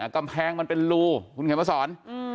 กำแพงมันเป็นรูคุณเขียนมาสอน